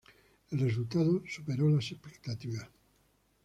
El resultado superó las expectativas.